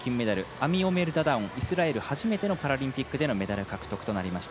アミオメル・ダダオンイスラエル初めてのパラリンピックでのメダル獲得となりました。